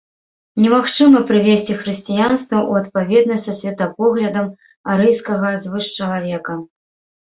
Немагчыма прывесці хрысціянства ў адпаведнасць са светапоглядам арыйскага звышчалавека.